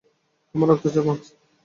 তোমার রক্তচাপ মাপছি।